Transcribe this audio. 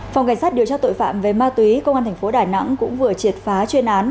phòng cảnh sát điều tra tội phạm về ma túy công an thành phố đà nẵng cũng vừa triệt phá chuyên án